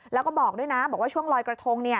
แล้วก็บอกด้วยนะบอกว่าช่วงลอยกระทง